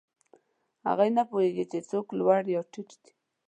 هغوی نه پوهېږي، چې څوک لوړ یا ټیټ دی.